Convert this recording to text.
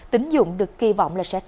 tính dụng được kỳ vọng là sẽ tăng tích